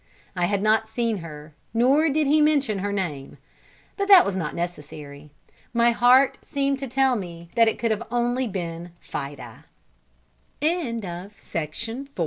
I had not seen her, nor did he mention her name, but that was not necessary. My heart seemed to tell me that it could only have been Fida. [Illustration: A WORTHY SUBJEC